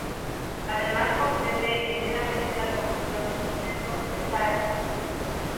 Además comprende enteramente la comisión de fomento de Sarah.